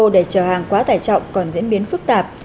để chở hàng quá tải trọng còn diễn biến phức tạp